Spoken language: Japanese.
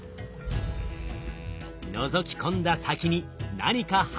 のぞき込んだ先に何か発見！